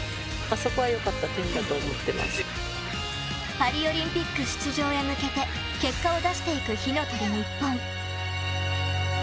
パリオリンピック出場へ向けて結果を出していく火の鳥ＮＩＰＰＯＮ。